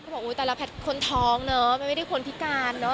บอกอุ๊ยแต่ละแพทย์คนท้องเนอะมันไม่ได้คนพิการเนอะ